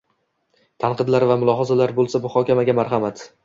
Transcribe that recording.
Tanqidlar va mulohazalar boʻlsa muhokamaga marhamat.